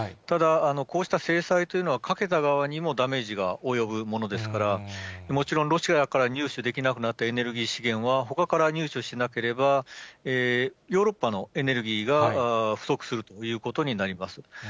ただ、こうした制裁というのは、かけた側にもダメージが及ぶものですから、もちろんロシアから入手できなくなったエネルギー資源は、ほかから入手しなければ、ヨーロッパのエネルギーが不足するということになります。